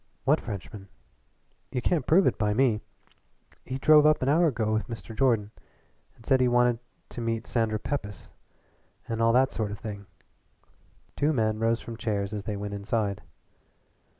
"What Frenchman?" "You can't prove it by me. He drove up an hour ago with Mr. Jordan, and said he wanted to meet Sandra Pepys, and all that sort of thing." Two men rose from chairs as they went inside.